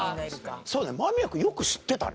そうだ間宮君よく知ってたね